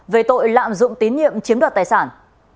về tội lạm dụng tín nhiệm chiếm đoạt tài sản